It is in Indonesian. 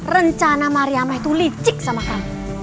rencana mariamah itu licik sama kamu